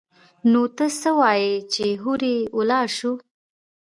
نو ته څه وايي چې هورې ولاړ سو.